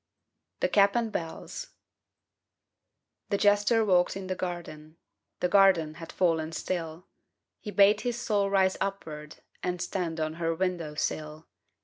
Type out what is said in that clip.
31 THE CAP AND BELLS The jester walked in the garden: The garden had fallen still ; He bade his soul rise upward And stand on her window sill.